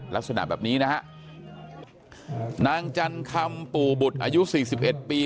ลักษณะแบบนี้นะฮะนางจันครรย์ปู่บุถอายุ๔๑ปี